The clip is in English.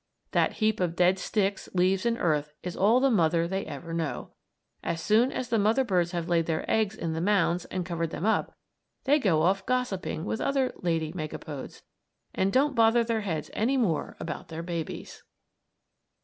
That heap of dead sticks, leaves, and earth is all the mother they ever know. As soon as the mother birds have laid their eggs in the mounds and covered them up, they go off gossiping with other lady megapodes, and don't bother their heads any more about their babies.